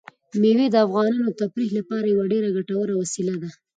مېوې د افغانانو د تفریح لپاره یوه ډېره ګټوره وسیله ده.